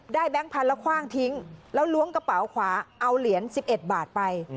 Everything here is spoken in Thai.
แบงค์พันธุ์แล้วคว่างทิ้งแล้วล้วงกระเป๋าขวาเอาเหรียญ๑๑บาทไป